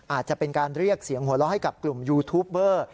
อาจจะเป็นการเรียกเสียงหัวเราะให้กับกลุ่มยูทูปเบอร์